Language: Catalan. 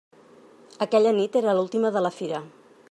Aquella nit era l'última de la fira.